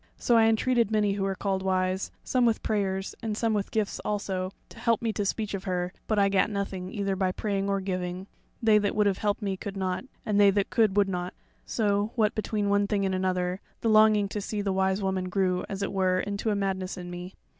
So I entreated many who were called wise, some with prayers, and some with gifts also, to help me to speech of her; but I gat nothing either by praying or giving; they that would have helped me could not, and they that could would not. So, what between one thing and another, the longing to see the Wise Woman grew as it were into a madness in me.